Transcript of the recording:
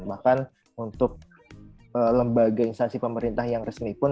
bahkan untuk lembaga instansi pemerintah yang resmi pun